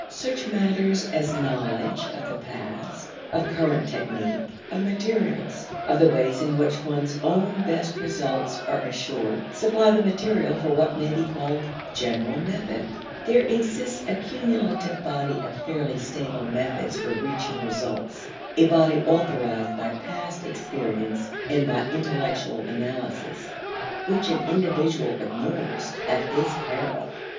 Such matters as knowledge of the past, of current technique, of materials, of the ways in which one's own best results are assured, supply the material for what may be called general method. There exists a cumulative body of fairly stable methods for reaching results, a body authorized by past experience and by intellectual analysis, which an individual ignores at his peril.